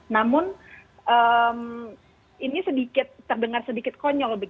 namun ini sedikit terdengar sedikit konyol